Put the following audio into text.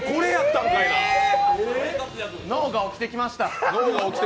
脳が起きてきました。